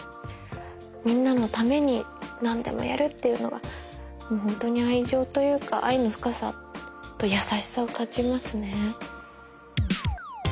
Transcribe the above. みんなのために何でもやるっていうのはホントに愛情というか愛の深さと優しさを感じますね。